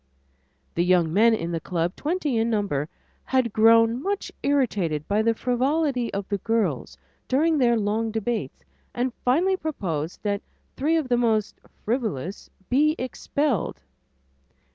The young men in the club, twenty in number, had grown much irritated by the frivolity of the girls during their long debates, and had finally proposed that three of the most "frivolous" be expelled.